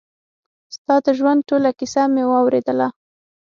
ستا د ژوند ټوله کيسه مې واورېدله.